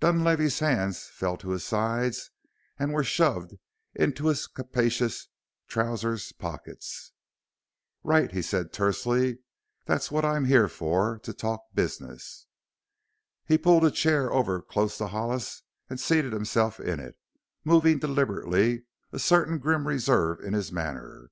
Dunlavey's hands fell to his sides and were shoved into his capacious trousers' pockets. "Right," he said tersely: "that's what I'm here for to talk business." He pulled a chair over close to Hollis and seated himself in it, moving deliberately, a certain grim reserve in his manner.